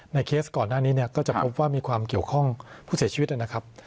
เคสก่อนหน้านี้เนี่ยก็จะพบว่ามีความเกี่ยวข้องผู้เสียชีวิตนะครับ